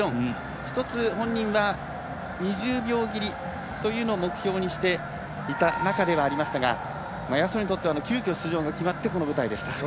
一つ、本人が２０秒切りというのを目標にしていた中ではありましたが安野にとっては急きょ出場が決まって、この舞台でした。